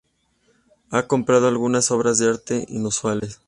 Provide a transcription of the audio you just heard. Ha comprado algunas obras de arte inusuales.